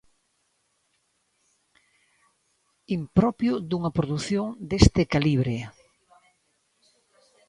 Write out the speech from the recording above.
Impropio dunha produción deste calibre.